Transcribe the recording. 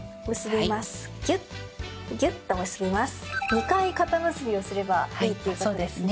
２回固結びをすればいいってことですね。